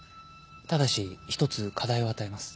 ただし１つ課題を与えます